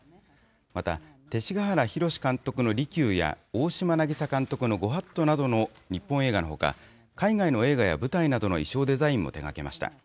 また、勅使河原宏監督の利休や、大島渚監督の御法度などの日本映画のほか、海外の映画や舞台などの衣装デザインも手がけました。